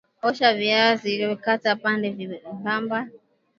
Osha viazi kata vipande vyembamba